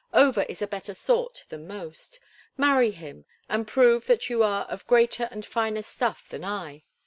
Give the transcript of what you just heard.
Over is a better sort than most. Marry him and prove that you are of greater and finer stuff than I.